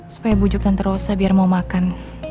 supaya bujuk tante rosa biar mau makan